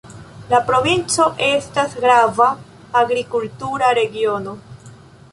La provinco estas grava agrikultura regiono.